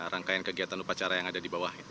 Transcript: rangkaian kegiatan upacara yang ada di bawah itu